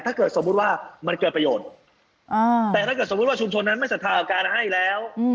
สมมุติว่ามันเกิดประโยชน์แต่ถ้าเกิดสมมุติว่าชุมชนนั้นไม่ศรัทธาการให้แล้ว